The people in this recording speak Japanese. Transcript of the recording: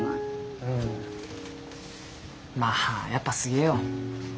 うんまあやっぱすげえよ。